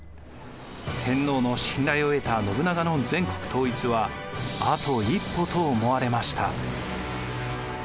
天皇の信頼を得た信長の全国統一はあと一歩と思われました。